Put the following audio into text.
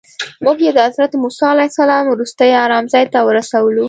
موږ یې د حضرت موسی علیه السلام وروستي ارام ځای ته ورسولو.